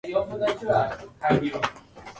He later spent years in juvenile detention.